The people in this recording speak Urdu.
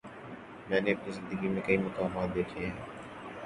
میں نے اپنی زندگی میں کئی مقامات دیکھے ہیں۔